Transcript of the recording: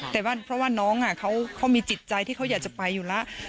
แต่ว่าน้องเขามีจิตใจที่เขาอยากจะไปอยู่แล้ว